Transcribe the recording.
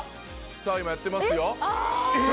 さあ今やってますよあーっ！